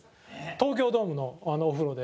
東京ドームのお風呂で。